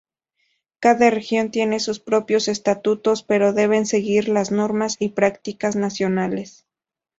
Cada región tiene sus propios estatutos pero deben seguir las normas y prácticas nacionales.